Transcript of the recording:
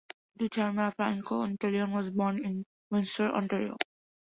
Ducharme, a Franco-Ontarian, was born in Windsor, Ontario.